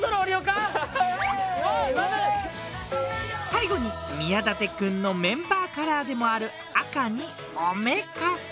最後に宮舘君のメンバーカラーでもある赤におめかし。